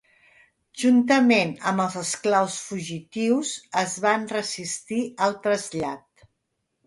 Juntament amb els esclaus fugitius es van resistir al trasllat.